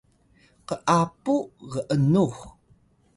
k’apu g’nux